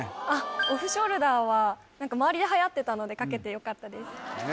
オフショルダーは周りではやってたので書けてよかったですね